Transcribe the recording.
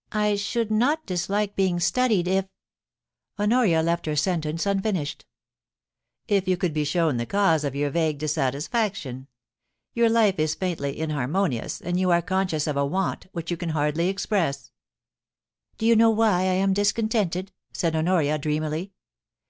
* I should not dislike being studied if ' Honoria left her sentence unfinished. * If you could be shown the cause of your vague dissatis faction. Your life is faintly inharmonious, and you are conscious of a want which you can hardly express.' ' Do you know why I am discontented 7* said Honoria, dreamily.